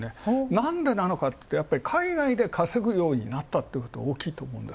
なんでなのかって、海外で稼ぐようになったということが大きいと思うんです。